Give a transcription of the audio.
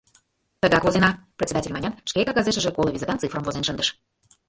— Тыгак возена, — председатель манят, шке кагазешыже коло визытан цифрым возен шындыш.